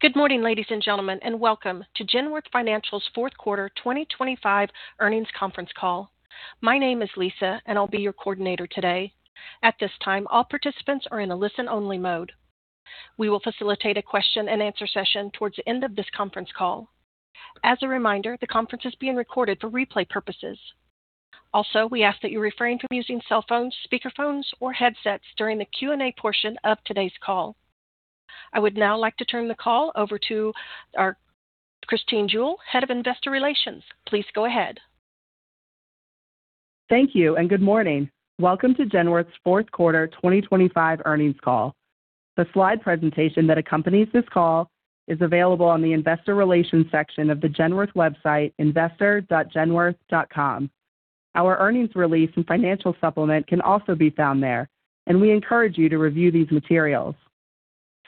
Good morning, ladies and gentlemen, and welcome to Genworth Financial's fourth quarter 2025 earnings conference call. My name is Lisa, and I'll be your coordinator today. At this time, all participants are in a listen-only mode. We will facilitate a question and answer session towards the end of this conference call. As a reminder, the conference is being recorded for replay purposes. Also, we ask that you refrain from using cell phones, speakerphones, or headsets during the Q&A portion of today's call. I would now like to turn the call over to our Christine Jewell, Head of Investor Relations. Please go ahead. Thank you, and good morning. Welcome to Genworth's fourth quarter 2025 earnings call. The slide presentation that accompanies this call is available on the Investor Relations section of the Genworth website, investor.genworth.com. Our earnings release and financial supplement can also be found there. We encourage you to review these materials.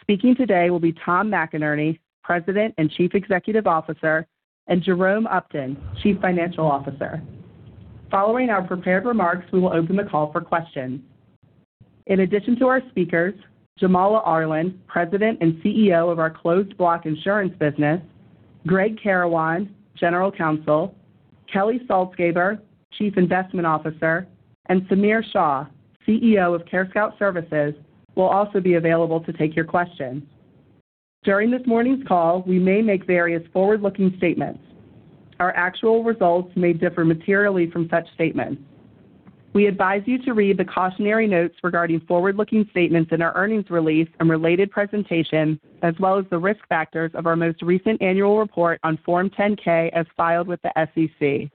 Speaking today will be Tom McInerney, President and Chief Executive Officer, and Jerome Upton, Chief Financial Officer. Following our prepared remarks, we will open the call for questions. In addition to our speakers, Jamala Arland, President and CEO of our Closed Block Insurance business, Gregg Karawan, General Counsel, Kelly Saltzgaber, Chief Investment Officer, and Samir Shah, CEO of CareScout Services, will also be available to take your questions. During this morning's call, we may make various forward-looking statements. Our actual results may differ materially from such statements. We advise you to read the cautionary notes regarding forward-looking statements in our earnings release and related presentation, as well as the risk factors of our most recent annual report on Form 10-K, as filed with the SEC.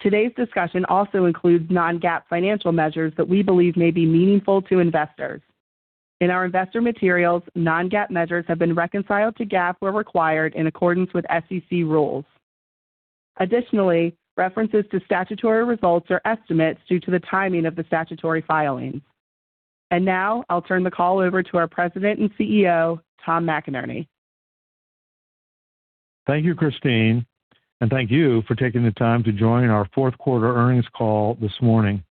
Today's discussion also includes non-GAAP financial measures that we believe may be meaningful to investors. In our investor materials, non-GAAP measures have been reconciled to GAAP, where required, in accordance with SEC rules. References to statutory results or estimates due to the timing of the statutory filings. Now I'll turn the call over to our President and CEO, Tom McInerney. Thank you, Christine, and thank you for taking the time to join our fourth quarter earnings call this morning.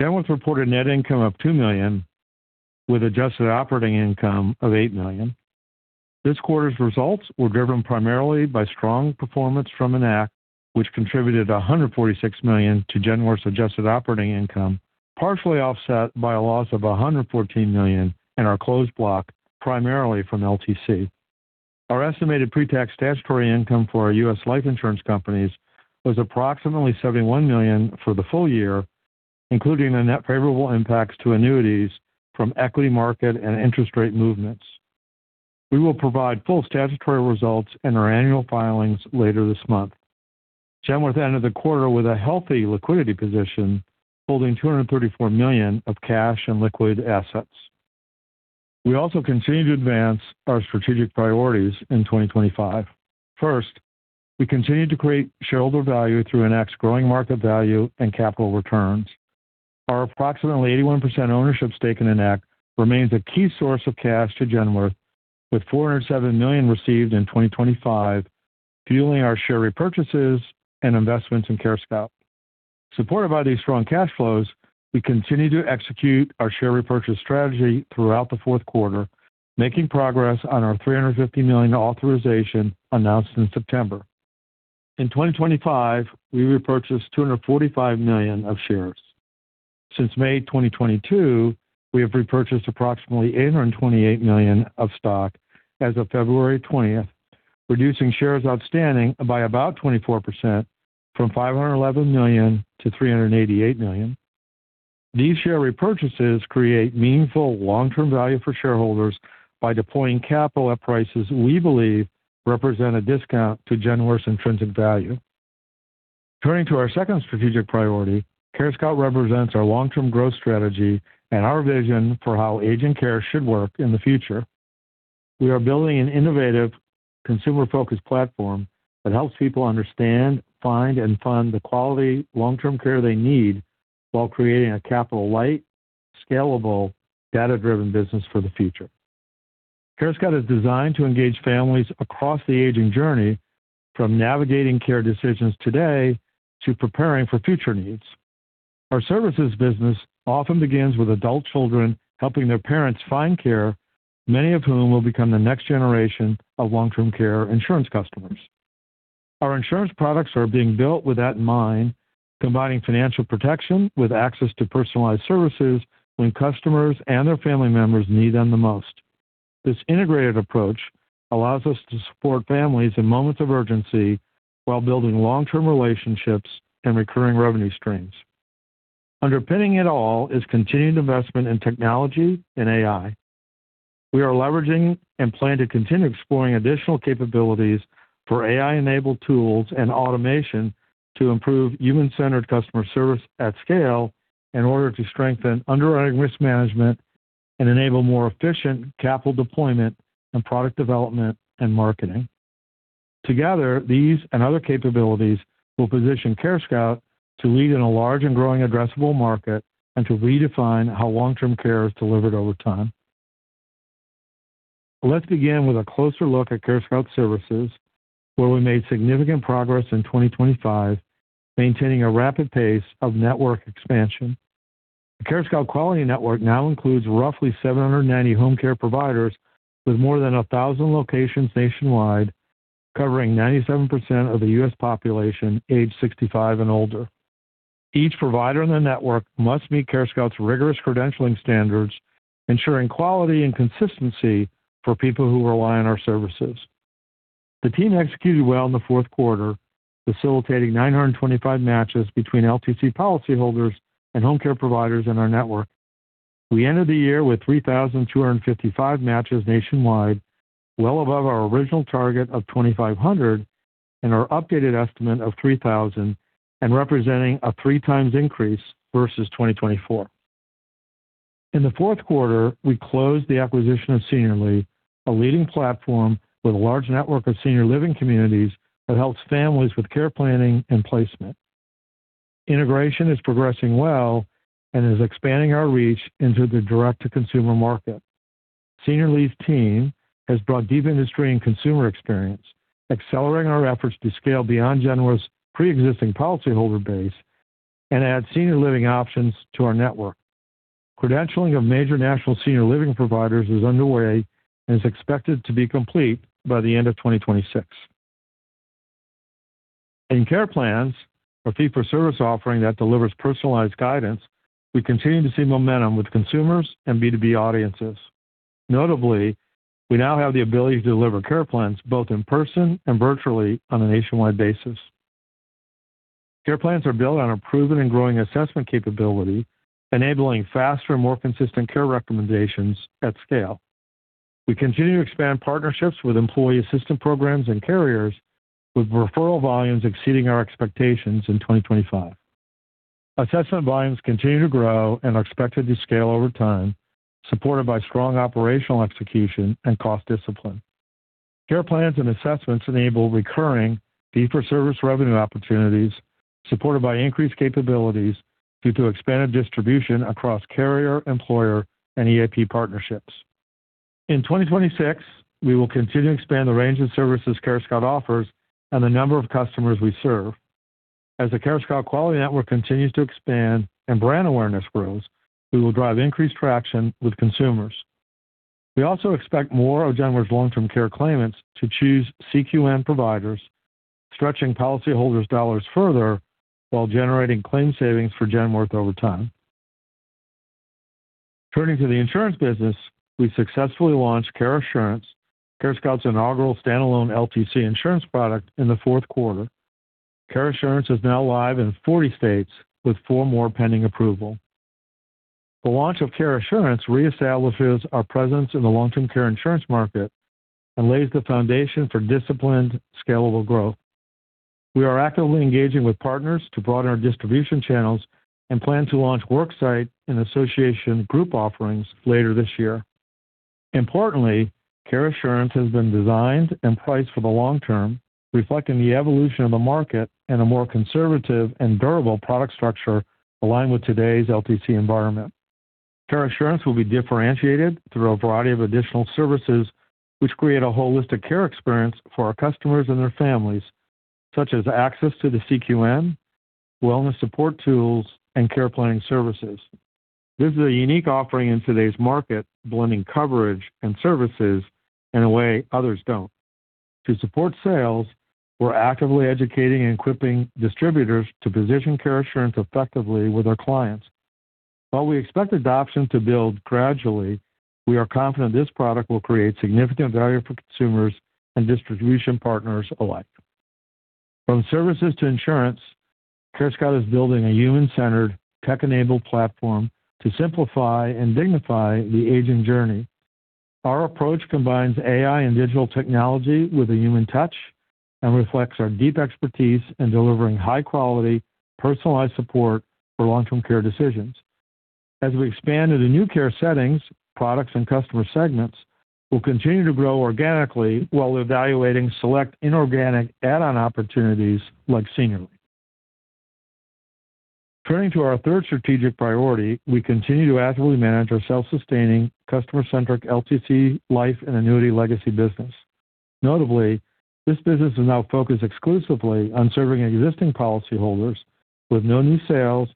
Genworth reported net income of $2 million, with Adjusted Operating Income of $8 million. This quarter's results were driven primarily by strong performance from Enact, which contributed $146 million to Genworth's Adjusted Operating Income, partially offset by a loss of $114 million in our closed block, primarily from LTC. Our estimated pre-tax statutory income for our U.S. life insurance companies was approximately $71 million for the full year, including the net favorable impacts to annuities from equity market and interest rate movements. We will provide full statutory results in our annual filings later this month. Genworth ended the quarter with a healthy liquidity position, holding $234 million of cash and liquid assets. We also continued to advance our strategic priorities in 2025. First, we continued to create shareholder value through Enact's growing market value and capital returns. Our approximately 81% ownership stake in Enact remains a key source of cash to Genworth, with $407 million received in 2025, fueling our share repurchases and investments in CareScout. Supported by these strong cash flows, we continued to execute our share repurchase strategy throughout the fourth quarter, making progress on our $350 million authorization announced in September. In 2025, we repurchased $245 million of shares. Since May 2022, we have repurchased approximately $828 million of stock as of February 20th, reducing shares outstanding by about 24% from $511 million to $388 million. These share repurchases create meaningful long-term value for shareholders by deploying capital at prices we believe represent a discount to Genworth's intrinsic value. Turning to our second strategic priority, CareScout represents our long-term growth strategy and our vision for how aging care should work in the future. We are building an innovative, consumer-focused platform that helps people understand, find, and fund the quality long-term care they need while creating a capital-light, scalable, data-driven business for the future. CareScout is designed to engage families across the aging journey, from navigating care decisions today to preparing for future needs. Our services business often begins with adult children helping their parents find care, many of whom will become the next generation of long-term care insurance customers. Our insurance products are being built with that in mind, combining financial protection with access to personalized services when customers and their family members need them the most. This integrated approach allows us to support families in moments of urgency while building long-term relationships and recurring revenue streams. Underpinning it all is continued investment in technology and AI. We are leveraging and plan to continue exploring additional capabilities for AI-enabled tools and automation to improve human-centered customer service at scale in order to strengthen underwriting risk management and enable more efficient capital deployment and product development and marketing. Together, these and other capabilities will position CareScout to lead in a large and growing addressable market and to redefine how long-term care is delivered over time. Let's begin with a closer look at CareScout Services, where we made significant progress in 2025, maintaining a rapid pace of network expansion. The CareScout Quality Network now includes roughly 790 home care providers with more than 1,000 locations nationwide, covering 97% of the U.S. population aged 65 and older. Each provider in the network must meet CareScout's rigorous credentialing standards, ensuring quality and consistency for people who rely on our services. The team executed well in the fourth quarter, facilitating 925 matches between LTC policyholders and home care providers in our network. We ended the year with 3,255 matches nationwide, well above our original target of 2,500 and our updated estimate of 3,000, and representing a 3x increase versus 2024. In the fourth quarter, we closed the acquisition of Seniorly, a leading platform with a large network of senior living communities that helps families with care planning and placement. Integration is progressing well and is expanding our reach into the direct-to-consumer market. Seniorly's team has brought deep industry and consumer experience, accelerating our efforts to scale beyond Genworth's pre-existing policyholder base and add senior living options to our network. Credentialing of major national senior living providers is underway and is expected to be complete by the end of 2026. In care plans, a Fee-For-Service offering that delivers personalized guidance, we continue to see momentum with consumers and B2B audiences. Notably, we now have the ability to deliver care plans both in person and virtually on a nationwide basis. Care plans are built on a proven and growing assessment capability, enabling faster and more consistent care recommendations at scale. We continue to expand partnerships with Employee Assistance Programs and carriers, with referral volumes exceeding our expectations in 2025. Assessment volumes continue to grow and are expected to scale over time, supported by strong operational execution and cost discipline. Care plans and assessments enable recurring Fee-For-Service revenue opportunities, supported by increased capabilities due to expanded distribution across carrier, employer, and EAP partnerships. In 2026, we will continue to expand the range of services CareScout offers and the number of customers we serve. As the CareScout Quality Network continues to expand and brand awareness grows, we will drive increased traction with consumers. We also expect more of Genworth's long-term care claimants to choose CQN providers, stretching policyholders' dollars further while generating claim savings for Genworth over time. Turning to the insurance business, we successfully launched Care Assurance, CareScout's inaugural standalone LTC insurance product, in the fourth quarter. Care Assurance is now live in 40 states, with four more pending approval. The launch of Care Assurance reestablishes our presence in the long-term care insurance market and lays the foundation for disciplined, scalable growth. We are actively engaging with partners to broaden our distribution channels and plan to launch worksite and association group offerings later this year. Importantly, Care Assurance has been designed and priced for the long-term, reflecting the evolution of the market and a more conservative and durable product structure aligned with today's LTC environment. Care Assurance will be differentiated through a variety of additional services, which create a holistic care experience for our customers and their families, such as access to the CQN, wellness support tools, and care planning services. This is a unique offering in today's market, blending coverage and services in a way others don't. To support sales, we're actively educating and equipping distributors to position Care Assurance effectively with our clients. While we expect adoption to build gradually, we are confident this product will create significant value for consumers and distribution partners alike. From services to insurance, CareScout is building a human-centered, tech-enabled platform to simplify and dignify the aging journey. Our approach combines AI and digital technology with a human touch and reflects our deep expertise in delivering high-quality, personalized support for long-term care decisions. As we expand into new care settings, products, and customer segments, we'll continue to grow organically while evaluating select inorganic add-on opportunities like Seniorly. Turning to our third strategic priority, we continue to actively manage our self-sustaining, customer-centric LTC life and annuity legacy business. Notably, this business is now focused exclusively on serving existing policyholders with no new sales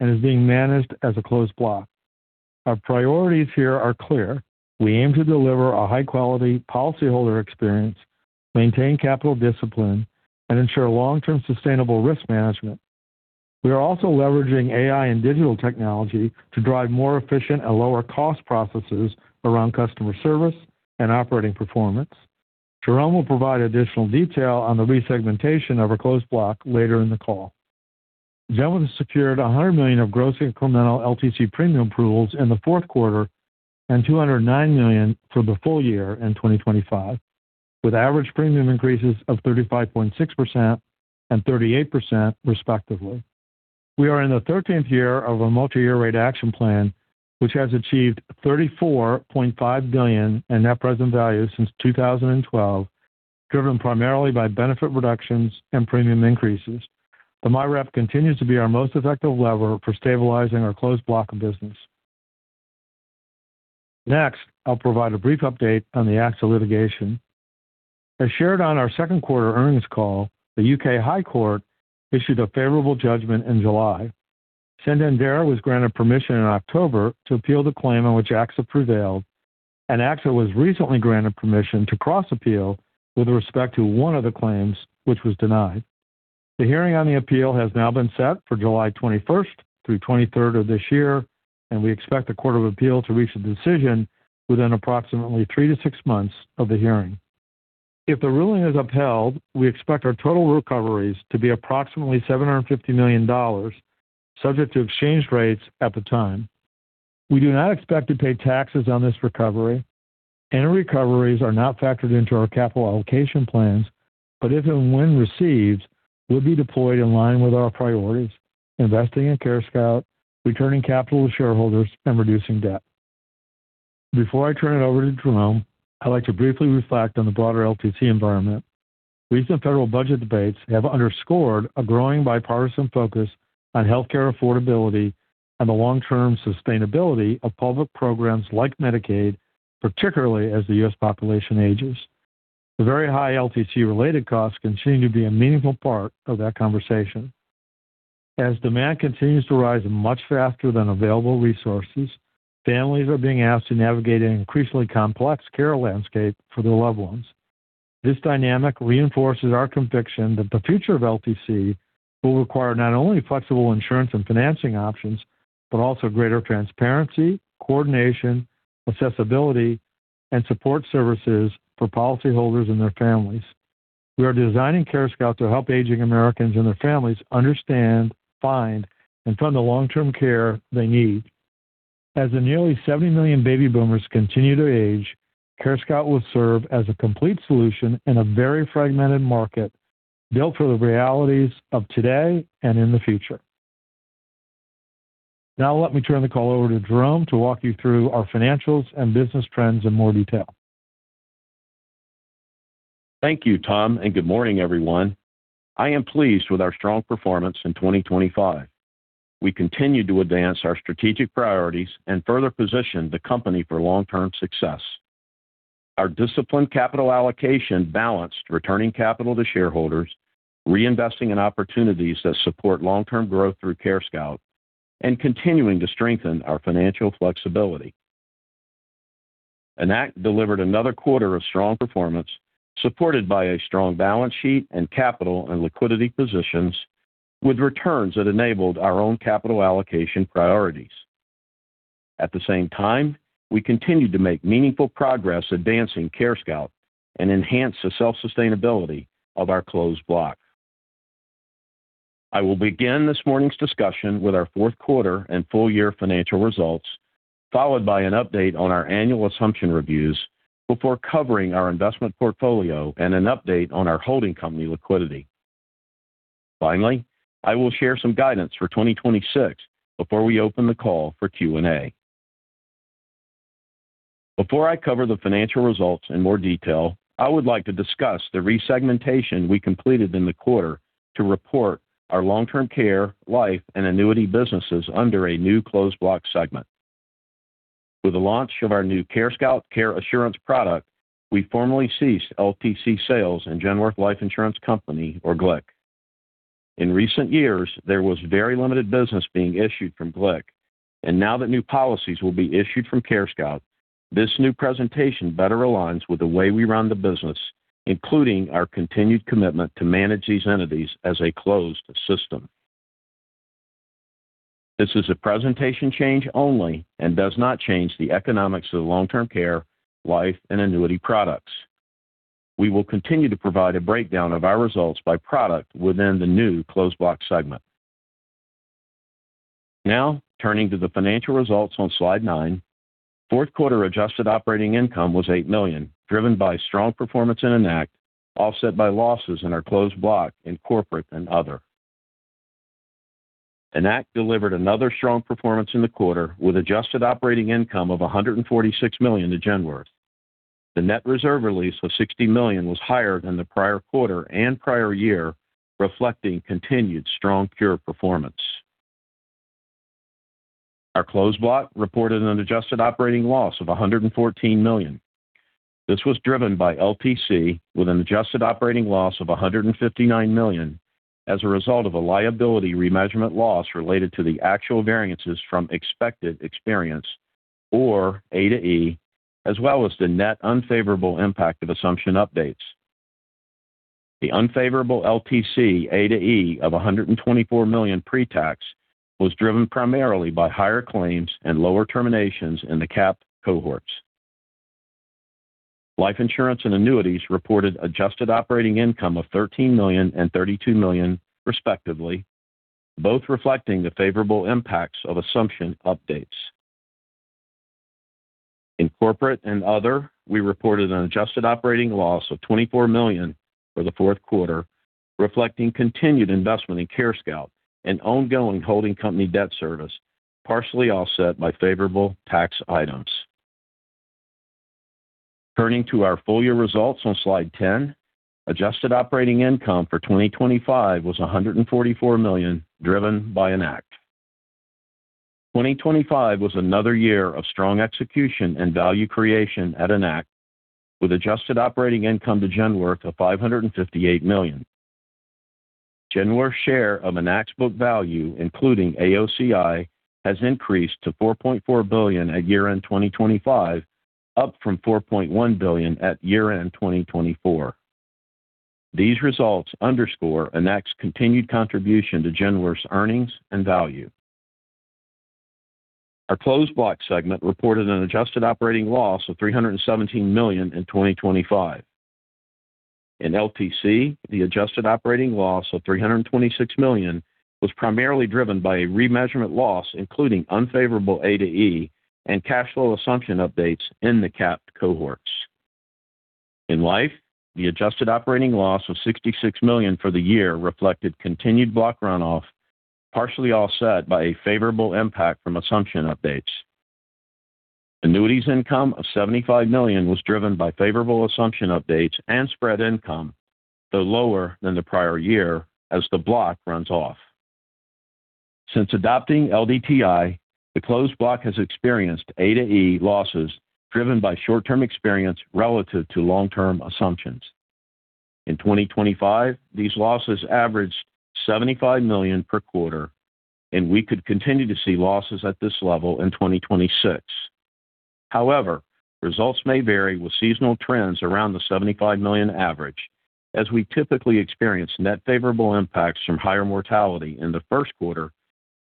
and is being managed as a closed block. Our priorities here are clear: We aim to deliver a high-quality policyholder experience, maintain capital discipline, and ensure long-term sustainable risk management. We are also leveraging AI and digital technology to drive more efficient and lower-cost processes around customer service and operating performance. Jerome will provide additional detail on the resegmentation of our closed block later in the call. Genworth secured $100 million of gross incremental LTC premium approvals in the fourth quarter and $209 million for the full year in 2025, with average premium increases of 35.6% and 38% respectively. We are in the 13th year of a Multi-Year Rate Action Plan, which has achieved $34.5 billion in net present value since 2012, driven primarily by benefit reductions and premium increases. The MYRAP continues to be our most effective lever for stabilizing our closed block of business. I'll provide a brief update on the AXA litigation. As shared on our 2nd quarter earnings call, the U.K. High Court issued a favorable judgment in July. Santander was granted permission in October to appeal the claim on which AXA prevailed, and AXA was recently granted permission to cross-appeal with respect to one of the claims, which was denied. The hearing on the appeal has now been set for July 21st through 23rd of this year, and we expect the Court of Appeal to reach a decision within approximately 3-6 months of the hearing. If the ruling is upheld, we expect our total recoveries to be approximately $750 million, subject to exchange rates at the time. We do not expect to pay taxes on this recovery, any recoveries are not factored into our capital allocation plans, but if and when received, will be deployed in line with our priorities, investing in CareScout, returning capital to shareholders, and reducing debt. Before I turn it over to Jerome, I'd like to briefly reflect on the broader LTC environment. Recent federal budget debates have underscored a growing bipartisan focus on healthcare affordability and the long-term sustainability of public programs like Medicaid, particularly as the U.S. population ages. The very high LTC related costs continue to be a meaningful part of that conversation. As demand continues to rise much faster than available resources, families are being asked to navigate an increasingly complex care landscape for their loved ones. This dynamic reinforces our conviction that the future of LTC will require not only flexible insurance and financing options, but also greater transparency, coordination, accessibility, and support services for policyholders and their families. We are designing CareScout to help aging Americans and their families understand, find, and fund the long-term care they need. As the nearly 70 million baby boomers continue to age, CareScout will serve as a complete solution in a very fragmented market, built for the realities of today and in the future. Let me turn the call over to Jerome to walk you through our financials and business trends in more detail. Thank you, Tom. Good morning, everyone. I am pleased with our strong performance in 2025. We continued to advance our strategic priorities and further position the company for long-term success. Our disciplined capital allocation balanced, returning capital to shareholders, reinvesting in opportunities that support long-term growth through CareScout, and continuing to strengthen our financial flexibility. Enact delivered another quarter of strong performance, supported by a strong balance sheet and capital and liquidity positions, with returns that enabled our own capital allocation priorities. At the same time, we continued to make meaningful progress advancing CareScout and enhance the self-sustainability of our closed block. I will begin this morning's discussion with our fourth quarter and full year financial results, followed by an update on our annual assumption reviews, before covering our investment portfolio and an update on our holding company liquidity. Finally, I will share some guidance for 2026 before we open the call for Q&A. Before I cover the financial results in more detail, I would like to discuss the resegmentation we completed in the quarter to report our long-term care, life, and annuity businesses under a new closed block segment. With the launch of our new CareScout Care Assurance product, we formally ceased LTC sales in Genworth Life Insurance Company, or GLIC. In recent years, there was very limited business being issued from GLIC, and now that new policies will be issued from CareScout, this new presentation better aligns with the way we run the business, including our continued commitment to manage these entities as a closed system. This is a presentation change only and does not change the economics of the long-term care, life, and annuity products. We will continue to provide a breakdown of our results by product within the new closed block segment. Turning to the financial results on slide 9. Fourth quarter Adjusted Operating Income was $8 million, driven by strong performance in Enact, offset by losses in our closed block in corporate and other. Enact delivered another strong performance in the quarter, with Adjusted Operating Income of $146 million to Genworth. The net reserve release of $60 million was higher than the prior quarter and prior year, reflecting continued strong pure performance. Our closed block reported an adjusted operating loss of $114 million. This was driven by LTC, with an Adjusted Operating Loss of $159 million as a result of a liability remeasurement loss related to the actual variances from expected experience, or A/E, as well as the net unfavorable impact of assumption updates. The unfavorable LTC A/E of $124 million pre-tax, was driven primarily by higher claims and lower terminations in the capped cohorts. Life insurance and annuities reported Adjusted Operating Income of $13 million and $32 million, respectively, both reflecting the favorable impacts of assumption updates. In corporate and other, we reported an Adjusted Operating Loss of $24 million for the fourth quarter, reflecting continued investment in CareScout and ongoing holding company debt service, partially offset by favorable tax items.... Turning to our full year results on slide 10, Adjusted Operating Income for 2025 was $144 million, driven by Enact. 2025 was another year of strong execution and value creation at Enact, with Adjusted Operating Income to Genworth of $558 million. Genworth's share of Enact's book value, including AOCI, has increased to $4.4 billion at year-end 2025, up from $4.1 billion at year-end 2024. These results underscore Enact's continued contribution to Genworth's earnings and value. Our Closed Block segment reported an adjusted operating loss of $317 million in 2025. In LTC, the adjusted operating loss of $326 million was primarily driven by a remeasurement loss, including unfavorable A/E and cash flow assumption updates in the capped cohorts. In Life, the Adjusted Operating Loss of $66 million for the year reflected continued Closed Block runoff, partially offset by a favorable impact from assumption updates. Annuities income of $75 million was driven by favorable assumption updates and spread income, though lower than the prior year as the block runs off. Since adopting LDTI, the Closed Block has experienced A/E losses, driven by short-term experience relative to long-term assumptions. In 2025, these losses averaged $75 million per quarter, and we could continue to see losses at this level in 2026. However, results may vary with seasonal trends around the $75 million average, as we typically experience net favorable impacts from higher mortality in the first quarter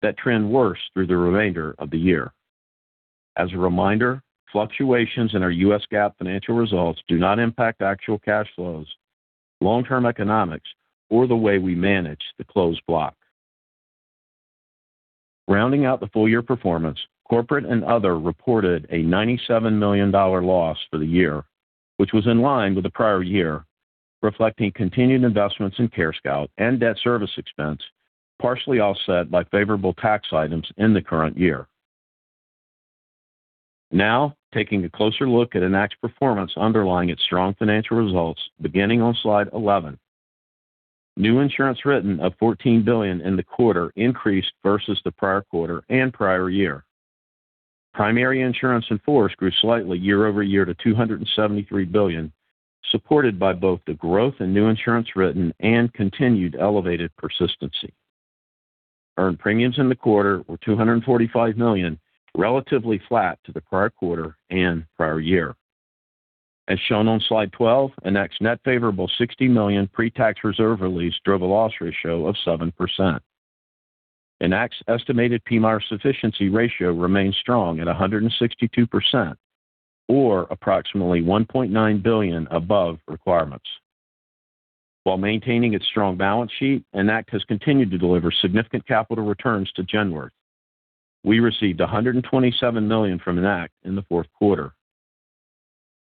that trend worse through the remainder of the year. As a reminder, fluctuations in our U.S. GAAP financial results do not impact actual cash flows, long-term economics, or the way we manage the closed block. Rounding out the full year performance, Corporate and Other reported a $97 million loss for the year, which was in line with the prior year, reflecting continued investments in CareScout and debt service expense, partially offset by favorable tax items in the current year. Now, taking a closer look at Enact's performance underlying its strong financial results, beginning on slide 11. new insurance written of $14 billion in the quarter increased versus the prior quarter and prior year. Primary insurance in force grew slightly year-over-year to $273 billion, supported by both the growth in new insurance written and continued elevated persistency. Earned premiums in the quarter were $245 million, relatively flat to the prior quarter and prior year. As shown on slide 12, Enact's net favorable $60 million pre-tax reserve release drove a loss ratio of 7%. Enact's estimated PMIER sufficiency ratio remains strong at 162%, or approximately $1.9 billion above requirements. While maintaining its strong balance sheet, Enact has continued to deliver significant capital returns to Genworth. We received $127 million from Enact in the fourth quarter.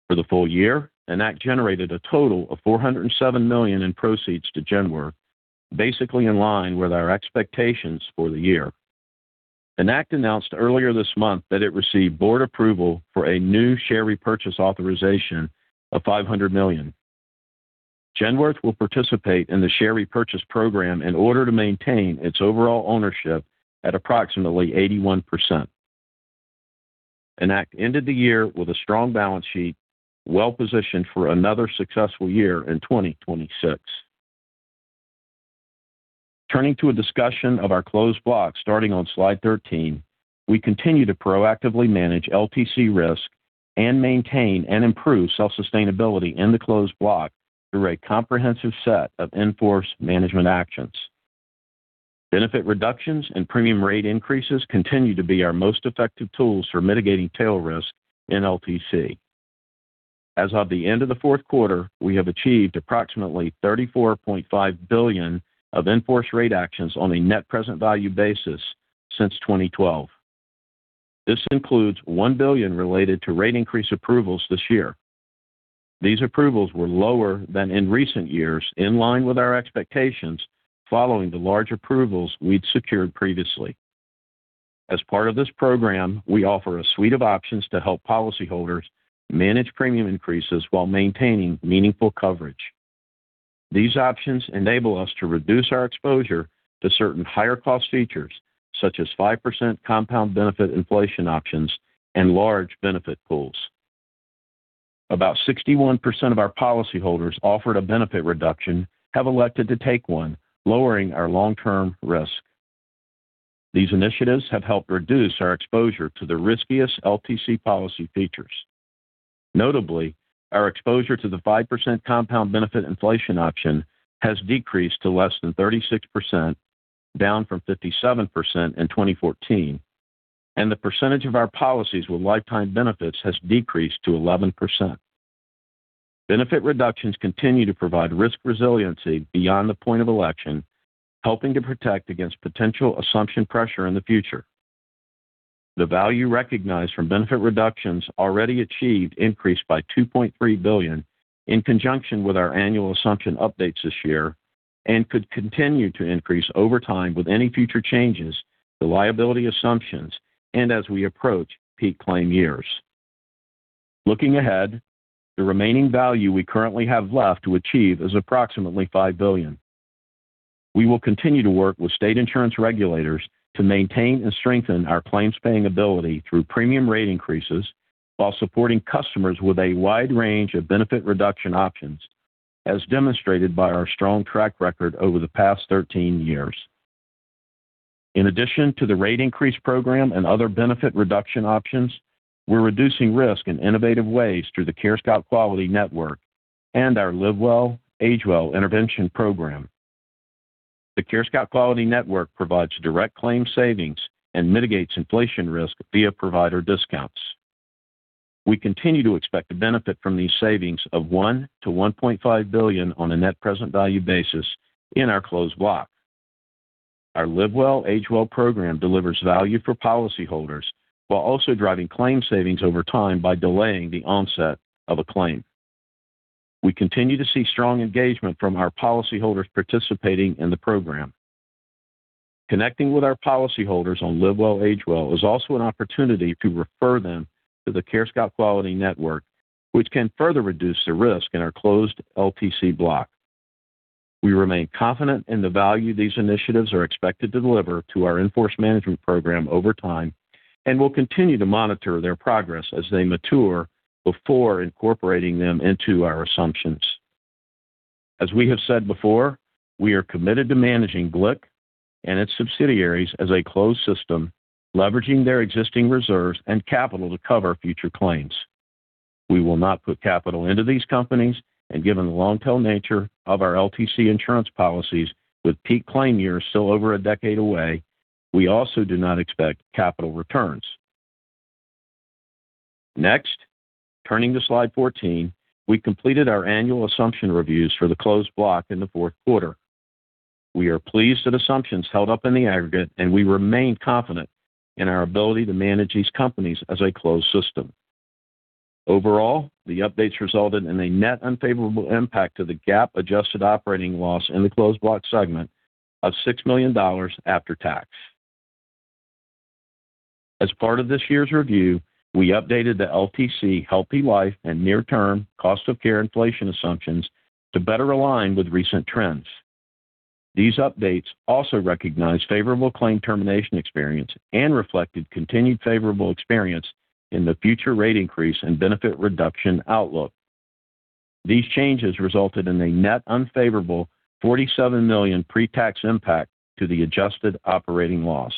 For the full year, Enact generated a total of $407 million in proceeds to Genworth, basically in line with our expectations for the year. Enact announced earlier this month that it received board approval for a new share repurchase authorization of $500 million. Genworth will participate in the share repurchase program in order to maintain its overall ownership at approximately 81%. Enact ended the year with a strong balance sheet, well-positioned for another successful year in 2026. Turning to a discussion of our closed block, starting on slide 13, we continue to proactively manage LTC risk and maintain and improve self-sustainability in the closed block through a comprehensive set of in-force management actions. Benefit reductions and premium rate increases continue to be our most effective tools for mitigating tail risk in LTC. As of the end of the fourth quarter, we have achieved approximately $34.5 billion of in-force rate actions on a net present value basis since 2012. This includes $1 billion related to rate increase approvals this year. These approvals were lower than in recent years, in line with our expectations following the large approvals we'd secured previously. As part of this program, we offer a suite of options to help policyholders manage premium increases while maintaining meaningful coverage. These options enable us to reduce our exposure to certain higher-cost features, such as 5% compound benefit inflation options and large benefit pools. About 61% of our policyholders offered a benefit reduction have elected to take one, lowering our long-term risk. These initiatives have helped reduce our exposure to the riskiest LTC policy features. Notably, our exposure to the 5% compound benefit inflation option has decreased to less than 36%, down from 57% in 2014, and the percentage of our policies with lifetime benefits has decreased to 11%. Benefit reductions continue to provide risk resiliency beyond the point of election, helping to protect against potential assumption pressure in the future. The value recognized from benefit reductions already achieved increased by $2.3 billion in conjunction with our annual assumption updates this year, and could continue to increase over time with any future changes to liability assumptions and as we approach peak claim years. Looking ahead, the remaining value we currently have left to achieve is approximately $5 billion. We will continue to work with state insurance regulators to maintain and strengthen our claims-paying ability through premium rate increases, while supporting customers with a wide range of benefit reduction options, as demonstrated by our strong track record over the past 13 years. In addition to the rate increase program and other benefit reduction options, we're reducing risk in innovative ways through the CareScout Quality Network and our Live Well, Age Well intervention program. The CareScout Quality Network provides direct claim savings and mitigates inflation risk via provider discounts. We continue to expect a benefit from these savings of $1 billion-$1.5 billion on a net present value basis in our closed block. Our Live Well, Age Well program delivers value for policyholders, while also driving claim savings over time by delaying the onset of a claim. We continue to see strong engagement from our policyholders participating in the program. Connecting with our policyholders on Live Well, Age Well is also an opportunity to refer them to the CareScout Quality Network, which can further reduce the risk in our closed LTC block. We remain confident in the value these initiatives are expected to deliver to our in-force management program over time. We'll continue to monitor their progress as they mature before incorporating them into our assumptions. As we have said before, we are committed to managing GLIC and its subsidiaries as a closed system, leveraging their existing reserves and capital to cover future claims. We will not put capital into these companies. Given the long-tail nature of our LTC insurance policies, with peak claim years still over a decade away, we also do not expect capital returns. Turning to slide 14, we completed our annual assumption reviews for the closed block in the fourth quarter. We are pleased that assumptions held up in the aggregate. We remain confident in our ability to manage these companies as a closed system. Overall, the updates resulted in a net unfavorable impact to the GAAP adjusted operating loss in the closed block segment of $6 million after tax. Part of this year's review, we updated the LTC, healthy life, and near-term cost of care inflation assumptions to better align with recent trends. These updates also recognized favorable claim termination experience and reflected continued favorable experience in the future rate increase and benefit reduction outlook. These changes resulted in a net unfavorable $47 million pre-tax impact to the adjusted operating loss.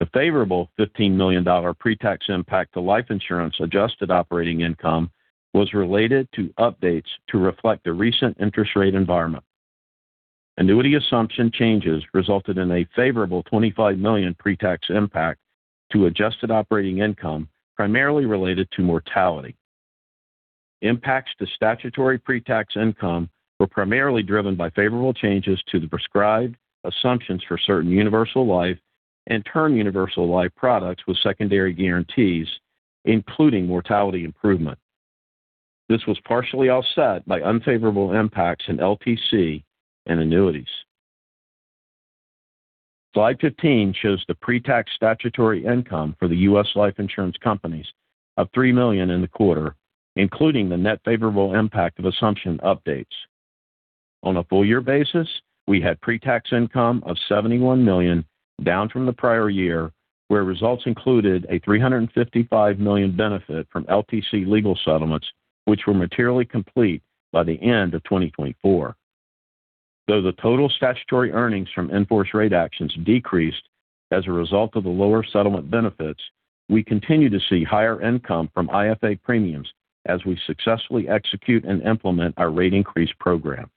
The favorable $15 million pre-tax impact to life insurance adjusted operating income was related to updates to reflect the recent interest rate environment. Annuity assumption changes resulted in a favorable $25 million pre-tax impact to adjusted operating income, primarily related to mortality. Impacts to statutory pre-tax income were primarily driven by favorable changes to the prescribed assumptions for certain universal life and term universal life products with secondary guarantees, including mortality improvement. This was partially offset by unfavorable impacts in LTC and annuities. Slide 15 shows the pre-tax statutory income for the U.S. life insurance companies of $3 million in the quarter, including the net favorable impact of assumption updates. On a full year basis, we had pre-tax income of $71 million, down from the prior year, where results included a $355 million benefit from LTC legal settlements, which were materially complete by the end of 2024. The total statutory earnings from in-force rate actions decreased as a result of the lower settlement benefits, we continue to see higher income from IFA premiums as we successfully execute and implement our rate increase program.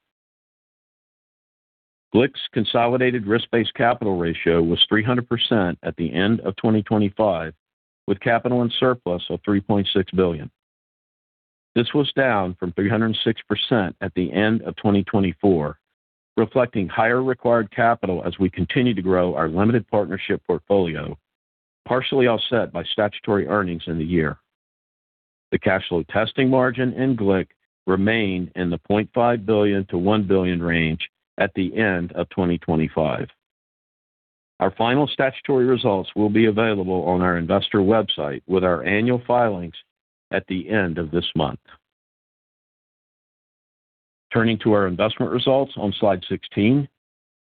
GLIC's consolidated risk-based capital ratio was 300% at the end of 2025, with capital and surplus of $3.6 billion. This was down from 306% at the end of 2024, reflecting higher required capital as we continue to grow our limited partnership portfolio, partially offset by statutory earnings in the year. The cash flow testing margin in GLIC remained in the $0.5 billion-$1 billion range at the end of 2025. Our final statutory results will be available on our investor website with our annual filings at the end of this month. Turning to our investment results on slide 16,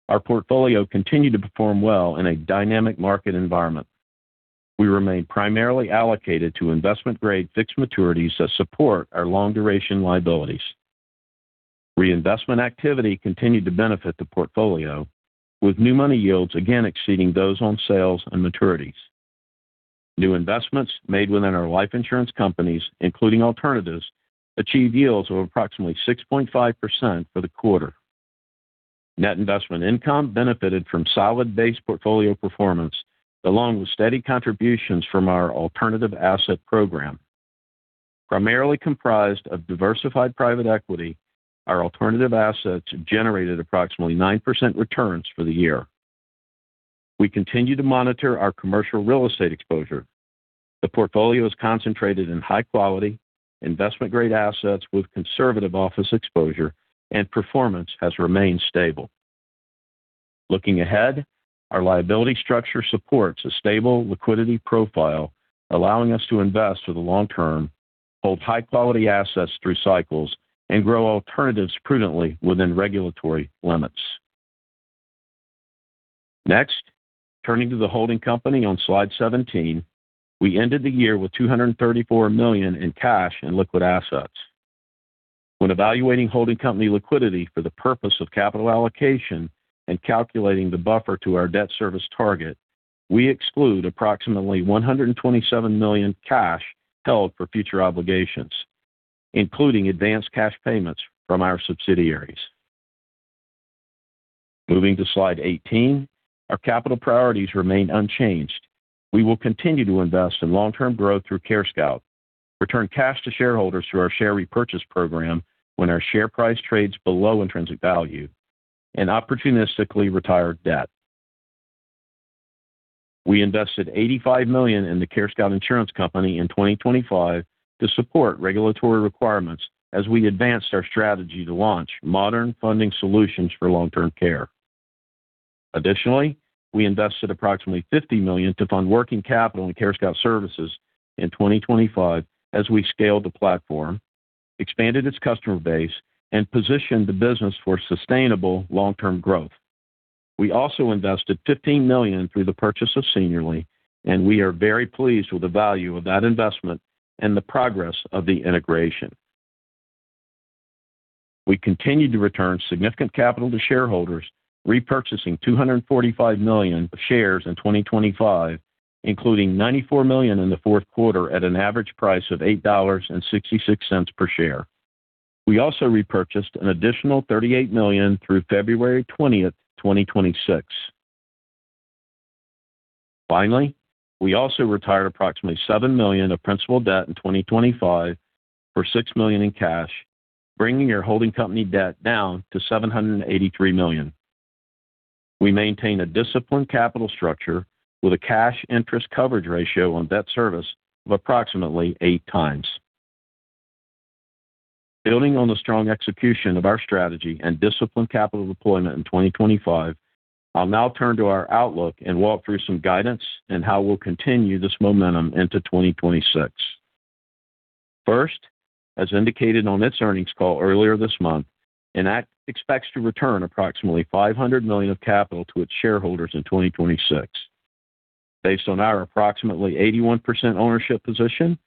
our portfolio continued to perform well in a dynamic market environment. We remain primarily allocated to investment-grade fixed maturities that support our long-duration liabilities. Reinvestment activity continued to benefit the portfolio, with new money yields again exceeding those on sales and maturities. New investments made within our life insurance companies, including alternatives, achieved yields of approximately 6.5% for the quarter. Net investment income benefited from solid base portfolio performance, along with steady contributions from our alternative asset program. Primarily comprised of diversified private equity, our alternative assets generated approximately 9% returns for the year. We continue to monitor our commercial real estate exposure. The portfolio is concentrated in high quality, investment-grade assets with conservative office exposure, and performance has remained stable. Looking ahead, our liability structure supports a stable liquidity profile, allowing us to invest for the long term, hold high-quality assets through cycles, and grow alternatives prudently within regulatory limits. Next, turning to the holding company on slide 17, we ended the year with $234 million in cash and liquid assets. When evaluating holding company liquidity for the purpose of capital allocation and calculating the buffer to our debt service target, we exclude approximately $127 million cash held for future obligations, including advanced cash payments from our subsidiaries. Moving to slide 18, our capital priorities remain unchanged. We will continue to invest in long-term growth through CareScout, return cash to shareholders through our share repurchase program when our share price trades below intrinsic value, and opportunistically retire debt. We invested $85 million in the CareScout Insurance Company in 2025 to support regulatory requirements as we advanced our strategy to launch modern funding solutions for long-term care. Additionally, we invested approximately $50 million to fund working capital in CareScout Services in 2025 as we scaled the platform, expanded its customer base, and positioned the business for sustainable long-term growth. We also invested $15 million through the purchase of Seniorly, and we are very pleased with the value of that investment and the progress of the integration. We continued to return significant capital to shareholders, repurchasing $245 million shares in 2025, including $94 million in the fourth quarter at an average price of $8.66 per share. We also repurchased an additional $38 million through February 20, 2026. Finally, we also retired approximately $7 million of principal debt in 2025 for $6 million in cash, bringing our holding company debt down to $783 million. We maintain a disciplined capital structure with a cash interest coverage ratio on debt service of approximately 8x. Building on the strong execution of our strategy and disciplined capital deployment in 2025, I'll now turn to our outlook and walk through some guidance and how we'll continue this momentum into 2026. First, as indicated on its earnings call earlier this month, Enact expects to return approximately $500 million of capital to its shareholders in 2026. Based on our approximately 81% ownership position,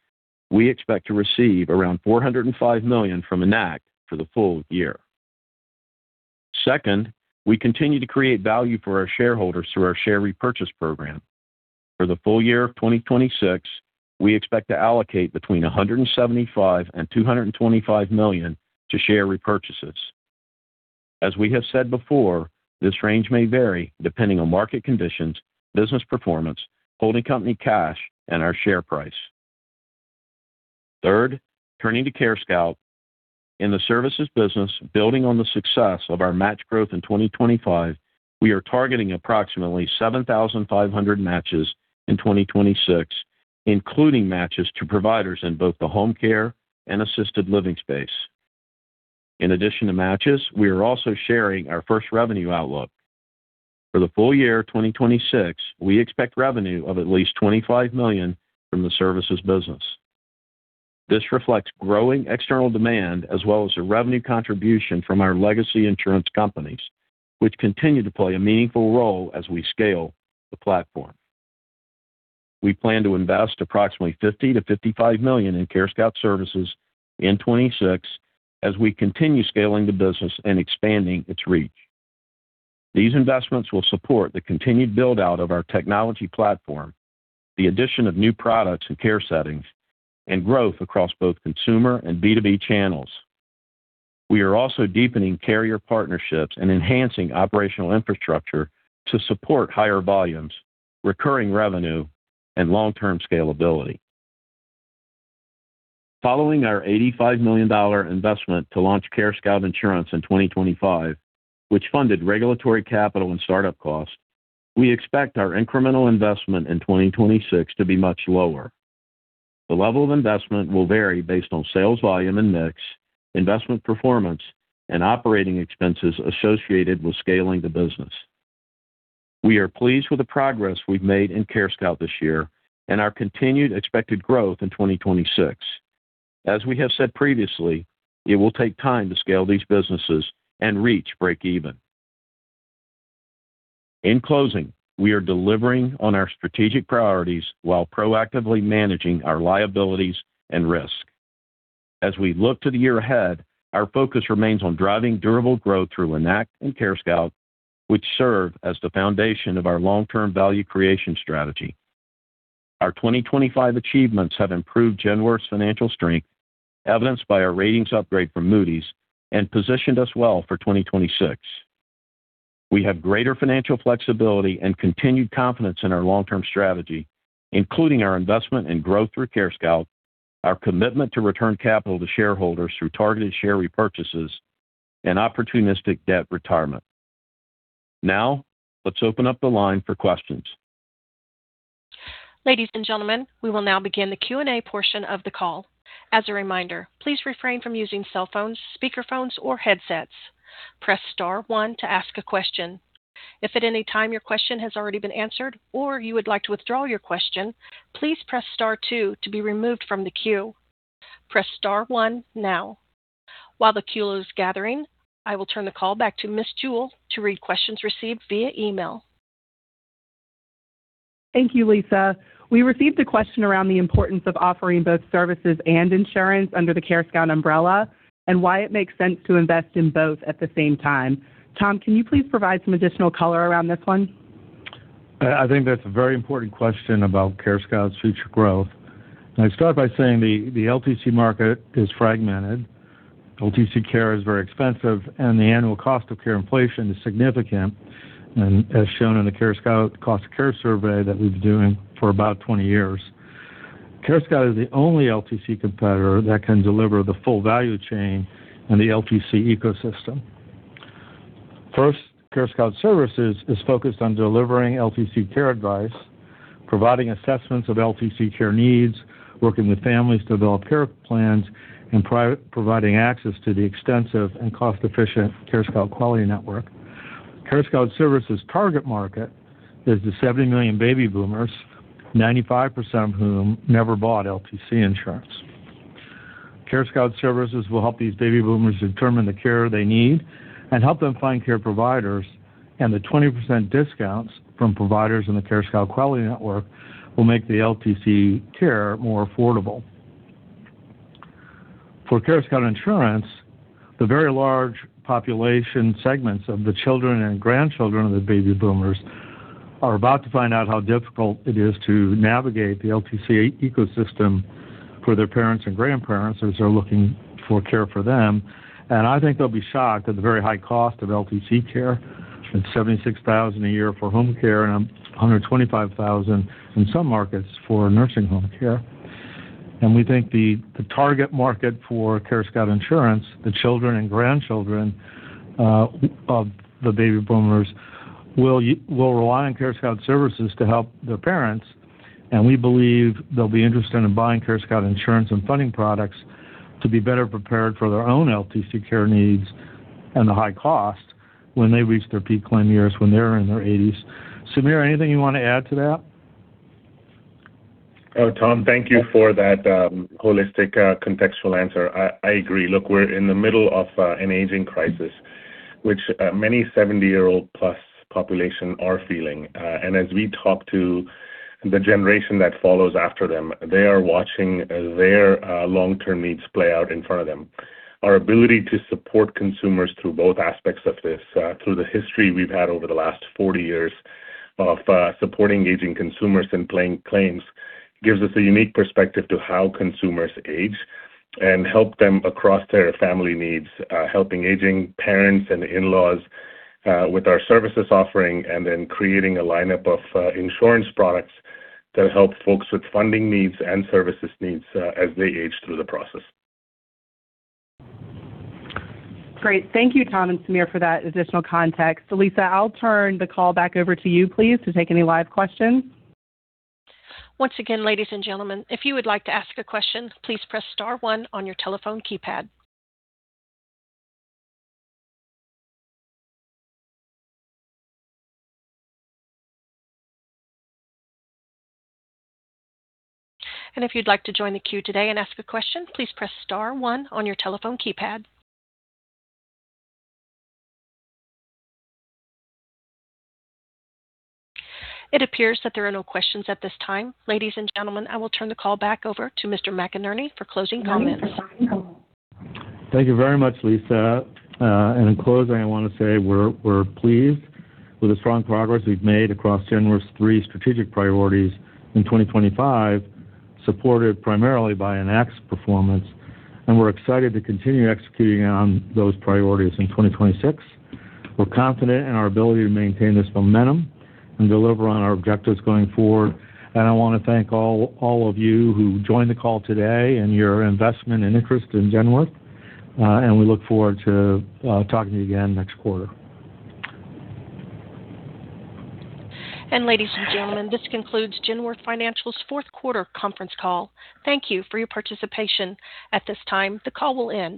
we expect to receive around $405 million from Enact for the full year. Second, we continue to create value for our shareholders through our share repurchase program. For the full year of 2026, we expect to allocate between $175 million and $225 million to share repurchases. As we have said before, this range may vary depending on market conditions, business performance, holding company cash, and our share price. Third, turning to CareScout. In the services business, building on the success of our match growth in 2025, we are targeting approximately 7,500 matches in 2026, including matches to providers in both the home care and assisted living space. In addition to matches, we are also sharing our first revenue outlook. For the full year of 2026, we expect revenue of at least $25 million from the services business. This reflects growing external demand as well as a revenue contribution from our legacy insurance companies, which continue to play a meaningful role as we scale the platform. We plan to invest approximately $50 million-$55 million in CareScout Services in 2026 as we continue scaling the business and expanding its reach. These investments will support the continued build-out of our technology platform, the addition of new products and care settings, and growth across both consumer and B2B channels. We are also deepening carrier partnerships and enhancing operational infrastructure to support higher volumes, recurring revenue, and long-term scalability. Following our $85 million investment to launch CareScout Insurance in 2025, which funded regulatory capital and startup costs, we expect our incremental investment in 2026 to be much lower. The level of investment will vary based on sales volume and mix, investment performance, and operating expenses associated with scaling the business. We are pleased with the progress we've made in CareScout this year and our continued expected growth in 2026. As we have said previously, it will take time to scale these businesses and reach breakeven. In closing, we are delivering on our strategic priorities while proactively managing our liabilities and risk. As we look to the year ahead, our focus remains on driving durable growth through Enact and CareScout, which serve as the foundation of our long-term value creation strategy. Our 2025 achievements have improved Genworth's financial strength, evidenced by our ratings upgrade from Moody's, and positioned us well for 2026. We have greater financial flexibility and continued confidence in our long-term strategy, including our investment in growth through CareScout, our commitment to return capital to shareholders through targeted share repurchases and opportunistic debt retirement. Let's open up the line for questions. Ladies and gentlemen, we will now begin the Q&A portion of the call. As a reminder, please refrain from using cell phones, speakerphones, or headsets. Press star one to ask a question. If at any time your question has already been answered or you would like to withdraw your question, please press star two to be removed from the queue. Press star one now. While the queue is gathering, I will turn the call back to Ms. Jewell to read questions received via email. Thank you, Lisa. We received a question around the importance of offering both services and insurance under the CareScout umbrella and why it makes sense to invest in both at the same time. Tom, can you please provide some additional color around this one? I think that's a very important question about CareScout's future growth. I'd start by saying the LTC market is fragmented. LTC care is very expensive, and the annual cost of care inflation is significant, and as shown in the CareScout Cost of Care survey that we've been doing for about 20 years. CareScout is the only LTC competitor that can deliver the full value chain in the LTC ecosystem. First, CareScout Services is focused on delivering LTC care advice, providing assessments of LTC care needs, working with families to develop care plans, and providing access to the extensive and cost-efficient CareScout Quality Network. CareScout Services' target market is the 70 million baby boomers, 95% of whom never bought LTC insurance. CareScout Services will help these baby boomers determine the care they need and help them find care providers, and the 20% discounts from providers in the CareScout Quality Network will make the LTC care more affordable. For CareScout Insurance, the very large population segments of the children and grandchildren of the baby boomers are about to find out how difficult it is to navigate the LTC ecosystem for their parents and grandparents as they're looking for care for them. I think they'll be shocked at the very high cost of LTC care, at $76,000 a year for home care and $125,000 in some markets for nursing home care. We think the target market for CareScout Insurance, the children and grandchildren of the baby boomers, will rely on CareScout Services to help their parents. We believe they'll be interested in buying CareScout Insurance and funding products to be better prepared for their own LTC care needs and the high cost when they reach their peak claim years when they're in their 80s. Samir, anything you want to add to that? Oh, Tom, thank you for that holistic contextual answer. I agree. Look, we're in the middle of an aging crisis, which many 70-year-old plus population are feeling. As we talk to the generation that follows after them, they are watching their long-term needs play out in front of them. Our ability to support consumers through both aspects of this, through the history we've had over the last 40 years of supporting aging consumers and playing claims, gives us a unique perspective to how consumers age and help them across their family needs, helping aging parents and in-laws, with our services offering, creating a lineup of insurance products that help folks with funding needs and services needs, as they age through the process. Great. Thank you, Tom and Samir, for that additional context. Lisa, I'll turn the call back over to you, please, to take any live questions. Once again, ladies and gentlemen, if you would like to ask a question, please press star one on your telephone keypad. If you'd like to join the queue today and ask a question, please press star one on your telephone keypad. It appears that there are no questions at this time. Ladies and gentlemen, I will turn the call back over to Mr. McInerney for closing comments. Thank you very much, Lisa. In closing, I want to say we're pleased with the strong progress we've made across Genworth's three strategic priorities in 2025, supported primarily by Enact performance, and we're excited to continue executing on those priorities in 2026. We're confident in our ability to maintain this momentum and deliver on our objectives going forward. I want to thank all of you who joined the call today and your investment and interest in Genworth. we look forward to talking to you again next quarter. Ladies and gentlemen, this concludes Genworth Financial's fourth quarter conference call. Thank you for your participation. At this time, the call will end.